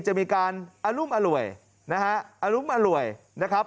จะมีการอรุ้มอร่วยนะครับ